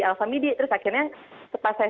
alphamidi terus akhirnya setelah saya